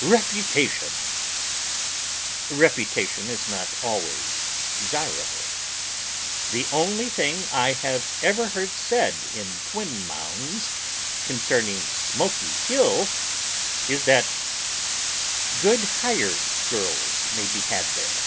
REPUTATION Reputation is not always desirable. The only thing I have ever heard said in Twin Mounds concerning Smoky Hill is that good hired girls may be had there.